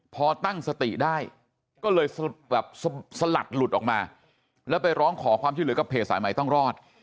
พอตั้งสติได้ก็เลยแบบสลัดหลุดออกมาแล้วไปร้องขอความช่วยเหลือกับเพจสายใหม่ต้องรอด